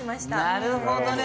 なるほどね。